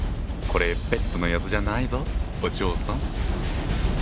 これベッドのやつじゃないぞお嬢さん。